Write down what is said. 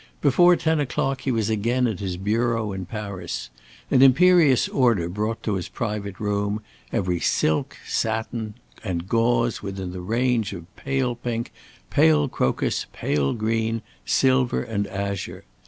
Before ten o'clock he was again at his bureau in Paris. An imperious order brought to his private room every silk, satin, and gauze within the range of pale pink, pale crocus, pale green, silver and azure.